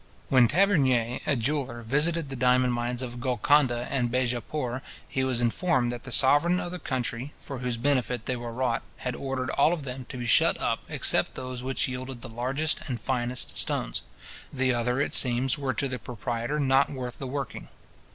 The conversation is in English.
When Tavernier, a jeweller, visited the diamond mines of Golconda and Visiapour, he was informed that the sovereign of the country, for whose benefit they were wrought, had ordered all of them to be shut up except those which yielded the largest and finest stones. The other, it seems, were to the proprietor not worth the working.